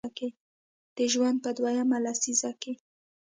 د ژوند په دویمه لسیزه کې